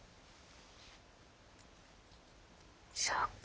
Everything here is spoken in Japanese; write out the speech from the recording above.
そうか。